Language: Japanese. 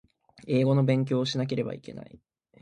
英語の勉強をしなければいけない